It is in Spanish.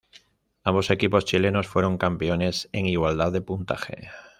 Ambos equipos chilenos fueron campeones en igualdad de puntaje.